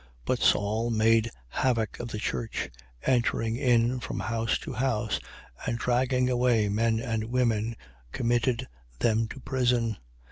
8:3. But Saul made havock of the church, entering in from house to house: and dragging away men and women, committed them to prison.